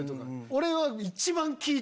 俺は。